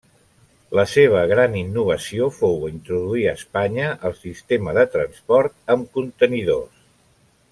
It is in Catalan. La seva gran innovació fou introduir a Espanya el sistema de transport amb contenidors.